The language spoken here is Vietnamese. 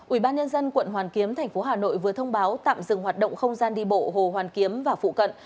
ủy ban nhân dân quận hoàn kiếm thành phố hà nội vừa thông báo tạm dừng hoạt động không gian đi bộ hồ hoàn kiếm và phụ cận